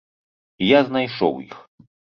І я знайшоў іх.